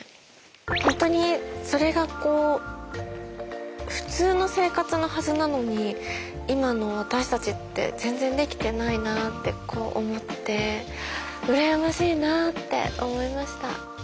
ホントにそれが普通の生活のはずなのに今の私たちって全然できてないなって思ってうらやましいなって思いました。